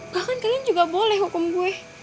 bahkan kalian juga boleh hukum gue